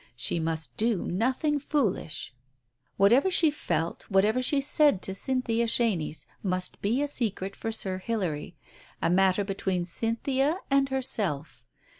She must do nothing foolish. Whatever she felt, whatever she said to Cynthia Chenies, must be a secret for Sir Hilary, a matter be tween Cynthia and herself.